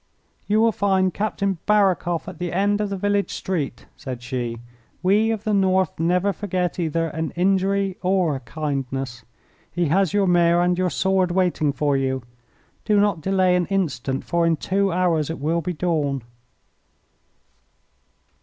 "You will find Captain Barakoff at the end of the village street," said she. "We of the North never forget either an injury or a kindness. He has your mare and your sword waiting for you. Do not delay an instant, for in two hours it will be dawn."